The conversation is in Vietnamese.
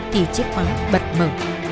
thì chiếc khóa bật mở